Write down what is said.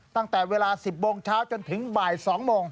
ตั้งแต่เวลา๑๐โมงเช้าจนถึงบ่าย๒โมง